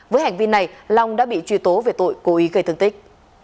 với hành vi này long đã bị truy tố về tội cố ý gây thương tích